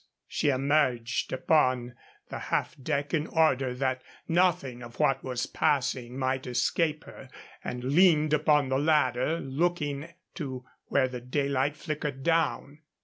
She emerged upon the half deck in order that nothing of what was passing might escape her, and leaned upon the ladder, looking to where the daylight flickered down.